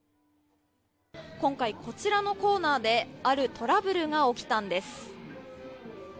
今回こちらのコーナーであるトラブルが起きたんです。